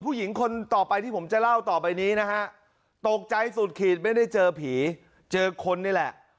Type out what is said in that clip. คนต่อไปที่ผมจะเล่าต่อไปนี้นะฮะตกใจสุดขีดไม่ได้เจอผีเจอคนนี่แหละ